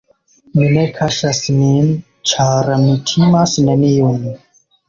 Mi ne kaŝas min, ĉar mi timas neniun.